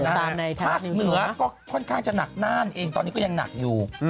ภาคเหนือก็ค่อนข้างจะหนักน่านเองตอนนี้ก็ยังหนักอยู่